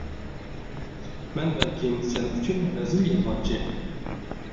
مەن بەلكىم سەن ئۈچۈن رەزىل يالغانچى.